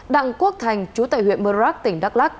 đặng quốc thành chú tại huyện mơ rác tỉnh đắk lắc